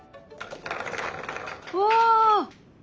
うわ。